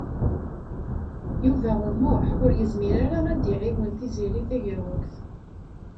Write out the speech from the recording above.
Yuba U Muḥ ur yezmir ara ad iɛawen Tiziri Tagawawt.